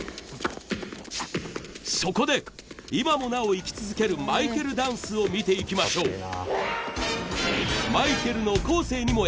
そこで今もなお生き続けるマイケルダンスを見ていきましょう。